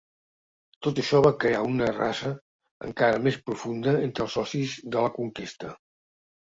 Tot això va crear una rasa encara més profunda entre els socis de la conquesta.